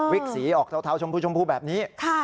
วิกสีออกเทาชมพูแบบนี้